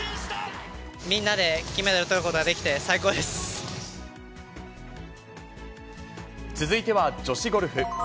みんなで金メダルとることが続いては女子ゴルフ。